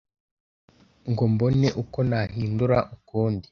Ngo mbone uko nahinduka ukundi